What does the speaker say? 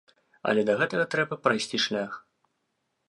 Але да гэтага трэба прайсці шлях.